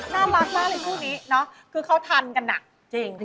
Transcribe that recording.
เนาะคือเค้าทันกันนะ